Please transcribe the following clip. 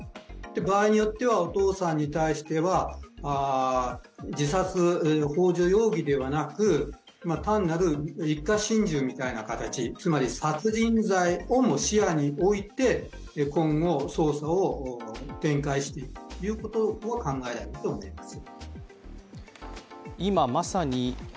場合によっては、お父さんに対しては自殺ほう助容疑ではなく単なる一家心中みたいな形つまり殺人罪をも視野に置いて今後、捜査を展開していくということを考えると思います。